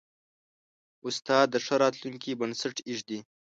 استاد د ښه راتلونکي بنسټ ایږدي.